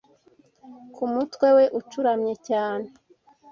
ku mutwe we ucuramye cyane